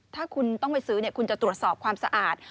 ถ้าคุณต้องไปซื้อคุณจะตรวจสอบความสะอาด